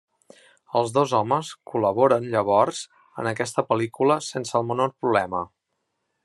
Els dos homes col·laboren llavors en aquesta pel·lícula sense el menor problema.